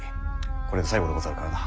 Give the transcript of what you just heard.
これで最後でござるからな。